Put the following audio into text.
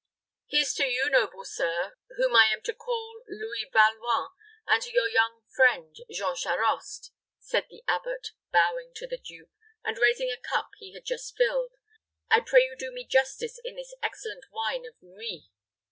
"Here's to you, noble sir, whom I am to call Louis Valois, and to your young friend, Jean Charost," said the abbot, bowing to the duke, and raising a cup he had just filled. "I pray you do me justice in this excellent wine of Nuits."